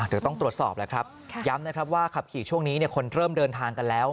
เดี๋ยวต้องตรวจสอบแล้วครับย้ำนะครับว่าขับขี่ช่วงนี้คนเริ่มเดินทางกันแล้ว